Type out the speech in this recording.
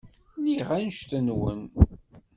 Lliɣ annect-nwen.